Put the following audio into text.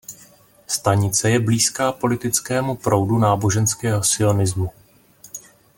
Stanice je blízká politickému proudu náboženského sionismu.